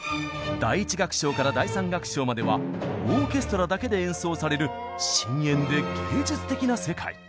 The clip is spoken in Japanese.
第１楽章から第３楽章まではオーケストラだけで演奏される深遠で芸術的な世界。